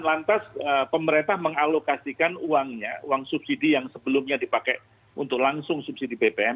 lantas pemerintah mengalokasikan uangnya uang subsidi yang sebelumnya dipakai untuk langsung subsidi bbm